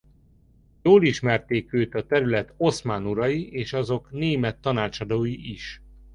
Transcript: Jól ismerték őt a terület oszmán urai és azok német tanácsadói is.